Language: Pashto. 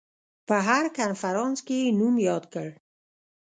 په هر کنفرانس کې یې نوم یاد کړ.